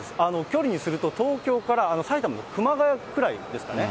距離にすると、東京から埼玉の熊谷くらいですかね。